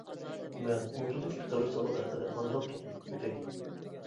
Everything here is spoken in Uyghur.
مەن ئونسۇدىكى قەبرىستانلىق ھەققىدە ئازراق توختىلىپ ئۆتەي.